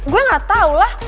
gue gak taulah